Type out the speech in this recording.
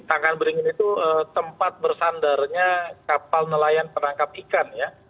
tangkahan beringin itu tempat bersandarnya kapal nelayan penangkap ikan